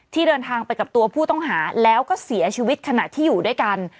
เดินทางไปกับตัวผู้ต้องหาแล้วก็เสียชีวิตขณะที่อยู่ด้วยกัน